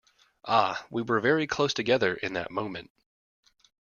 Ah, we were very close together in that moment.